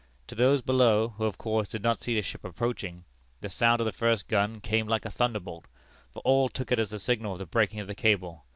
To those below, who of course did not see the ship approaching, the sound of the first gun came like a thunderbolt, for all took it as the signal of the breaking of the cable.